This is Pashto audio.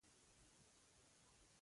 سبا به بل لوی غم جوړ کړي ملا صاحب وویل.